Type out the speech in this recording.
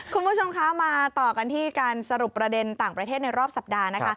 คุณผู้ชมคะมาต่อกันที่การสรุปประเด็นต่างประเทศในรอบสัปดาห์นะคะ